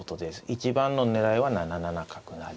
一番の狙いは７七角成。